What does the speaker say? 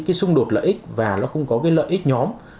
cái xung đột lợi ích và nó không có cái lợi ích nhóm